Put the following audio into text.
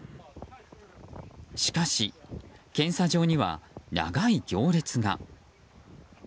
しかし、検査場には長い行列が。